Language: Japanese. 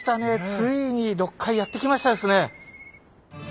ついに６階やって来ましたですね！